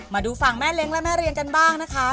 มาดูฝั่งแม่เล้งและแม่เรียนกันบ้างนะคะ